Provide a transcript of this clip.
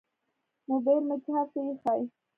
موبیل مې چارج ته ایښی